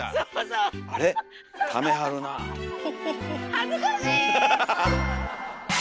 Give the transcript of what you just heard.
恥ずかしい！